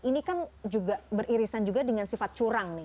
ini kan juga beririsan juga dengan sifat curang nih